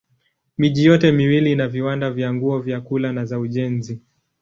Miji yote miwili ina viwanda vya nguo, vyakula na za ujenzi.